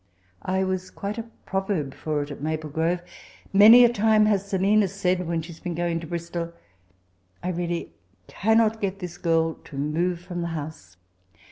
I was quite a proyerb for it at Maple Groye. Manj a time has Selina saidj when ^e has been going to Bristol, I really can not get this g&l to moye fix>m the house.